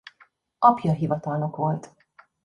Apja hivatalnok volt.